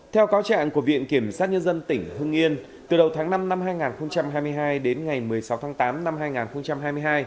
theo cáo trạng của viện kiểm sát nhân dân tỉnh hưng yên từ đầu tháng năm năm hai nghìn hai mươi hai đến ngày một mươi sáu tháng tám năm hai nghìn hai mươi hai